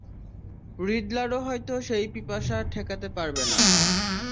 রিডলারও হয়তো সেই পিপাসা ঠেকাতে পারবে না।